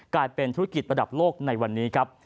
กลายเป็นธุรกิจระดับโลกในวันนี้ครับ